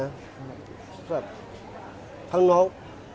สำหรับทั้งน้อง